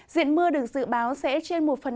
diện mưa được dự báo sẽ trên một phần